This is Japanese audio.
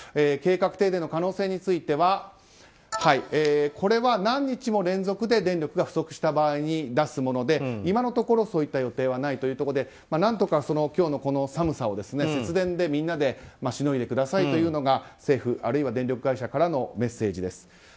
計画停電の可能性についてはこれは何日も連続で電力が不足した場合に出すもので、いまのところそういった予定はないということで何とか、今日の寒さを節電でみんなでしのいでくださいというのが政府あるいは電力会社からのメッセージです。